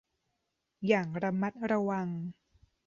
อย่างระมัดระวัง